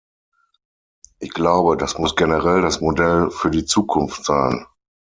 Ich glaube, das muss generell das Modell für die Zukunft sein.